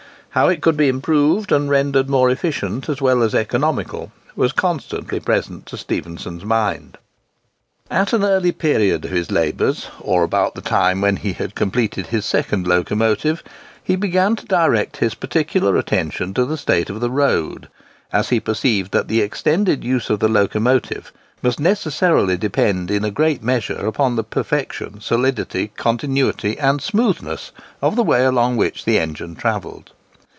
How it could be improved and rendered more efficient as well as economical, was constantly present to Stephenson's mind. At an early period of his labours, or about the time when he had completed his second locomotive, he began to direct his particular attention to the state of the Road; as he perceived that the extended use of the locomotive must necessarily depend in a great measure upon the perfection, solidity, continuity, and smoothness of the way along which the engine travelled.